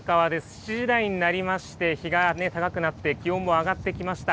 ７時台になりまして、日が高くなって、気温も上がってきました。